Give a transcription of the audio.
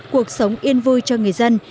cuộc sống của bà con nhân dân